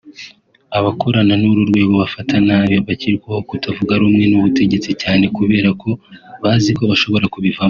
Abakorana n’uru rwego bafata nabi abakekwaho kutavuga rumwe n’ubutetsi cyane kubera ko bazi ko bashobora kubivamo